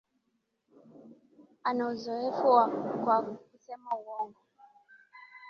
Ana uzoefu kwa kusema uongo